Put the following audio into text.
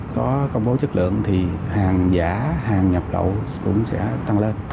có công bố chất lượng thì hàng giả hàng nhập lậu cũng sẽ tăng lên